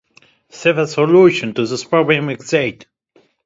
Several solutions to this problem exist.